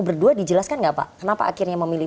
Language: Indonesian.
berdua dijelaskan nggak pak kenapa akhirnya memilih